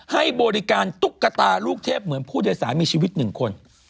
ให้บริการตุ๊กตาลูกเทพเหมือนผู้โดยสารมีชีวิตหนึ่งคน